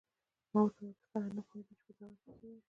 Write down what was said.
ما ورته وویل: ښه ده، نه پوهېدم چې په ځواب کې یې څه ووایم.